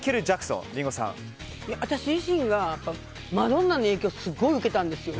私自身がマドンナの影響をすごい受けたんですよ。